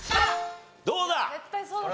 どうだ？